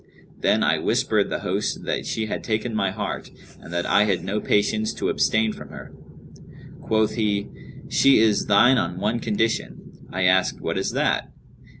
Then I whispered the host that she had taken my heart and that I had no patience to abstain from her. Quoth he 'She is thine on one condition.' I asked, 'What is that?'